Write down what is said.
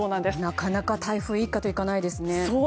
なかなか台風一過といかないですね。